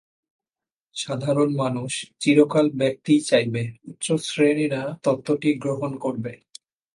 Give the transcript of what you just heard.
সাধারণ মানুষ চিরকাল ব্যক্তিই চাইবে, উচ্চশ্রেণীরা তত্ত্বটি গ্রহণ করবে।